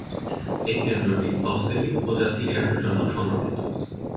এই কেন্দ্রটি তফসিলী উপজাতি এর জন্য সংরক্ষিত।